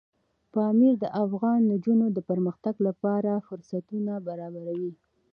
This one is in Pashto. پامیر د افغان نجونو د پرمختګ لپاره فرصتونه برابروي.